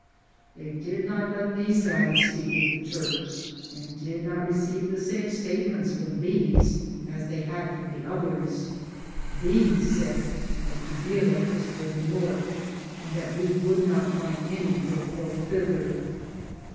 They did not let these guides speak with the Turk and did not re ceive the same statements from these as they had from the others. These said that Qui vira was toward the north, and that we would not find any good road thither.